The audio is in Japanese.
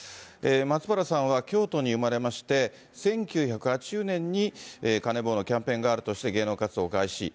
松原さんは京都に生まれまして、１９８０年にカネボウのキャンペーンガールとして芸能活動を開始。